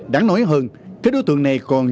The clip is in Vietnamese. đáng nói hơn các đối tượng này còn